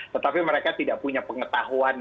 tetapi mereka tidak punya pengetahuan